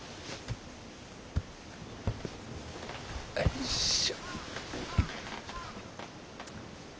よいしょ。